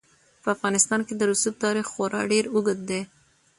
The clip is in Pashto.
په افغانستان کې د رسوب تاریخ خورا ډېر اوږد دی.